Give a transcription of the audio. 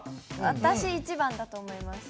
私１番だと思います。